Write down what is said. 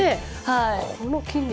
この筋肉。